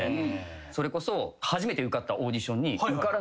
それこそ。